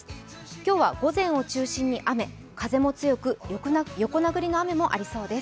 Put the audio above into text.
今日は午前を中心に雨、風も強く横殴りの雨もありそうです。